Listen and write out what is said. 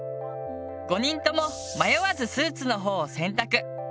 ５人とも迷わずスーツのほうを選択。